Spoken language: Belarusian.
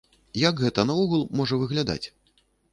Як гэта наогул можа выглядаць?